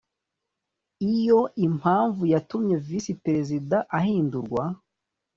Iyo impamvu yatumye Visi Perezida ahindurwa